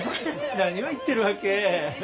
何を言ってるわけ。